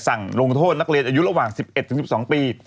ลงโทษนักเรียนอายุระหว่าง๑๑๑๒ปี